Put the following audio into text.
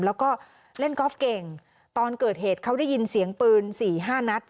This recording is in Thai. แล้วก็เล่นกอล์ฟเก่งตอนเกิดเหตุเขาได้ยินเสียงปืน๔๕นัด